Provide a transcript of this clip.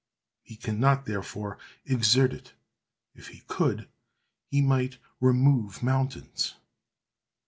He can not therefore exert it; if he could, he "might remove mountains."